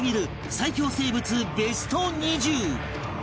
最恐生物ベスト２０